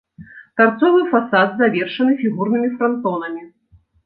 Тарцовы фасад завершаны фігурнымі франтонамі.